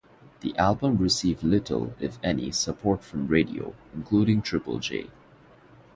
The album received little, if any, support from radio - including Triple J.